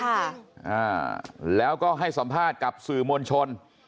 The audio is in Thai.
อ่าแล้วก็ให้สัมภาษณ์กับสื่อมวลชน